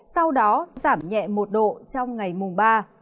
sau đó giảm nhẹ một độ trong ngày mùng ba